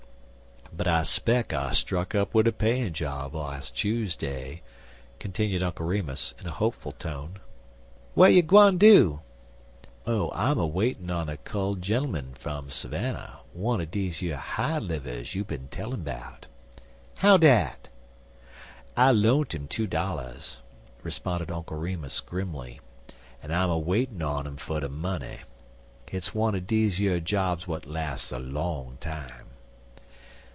"But I speck I struck up wid a payin' job las' Chuseday," continued Uncle Remus, in a hopeful tone. "Wey you gwan do?" "Oh, I'm a waitin' on a culled gemmun fum Savannah wunner deze yer high livers you bin tellin' 'bout." "How dat?" "I loant 'im two dollars," responded Uncle Remus, grimly, "an' I'm a waitin' on 'im fer de money. Hit's wunner deze yer jobs w'at las's a long time."